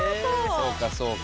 そうかそうか。